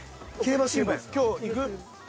今日行く？